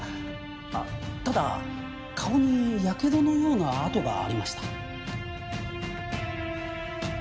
あっただ顔にやけどのような痕がありました。